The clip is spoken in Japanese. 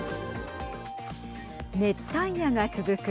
熱帯夜が続く